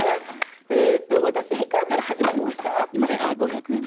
私いくらから始まりました？